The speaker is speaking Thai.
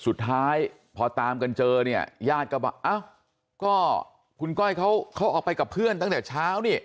สุดท้ายพอตามกันเจอเนี่ยญาติก็บอกอ้าวก็คุณก้อยเขาออกไปกับเพื่อนตั้งแต่เช้านี่